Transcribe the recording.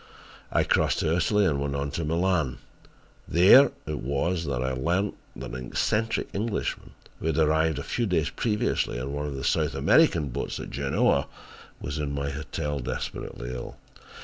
I crossed to Italy and went on to Milan. There it was that I learnt that an eccentric Englishman who had arrived a few days previously on one of the South American boats at Genoa, was in my hotel desperately ill.